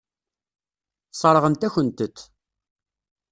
Sseṛɣent-akent-t.